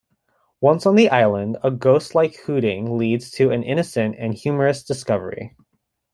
Once on the island, a ghost-like hooting leads to an innocent and humorous discovery.